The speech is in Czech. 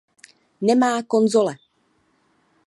Nemá konzole.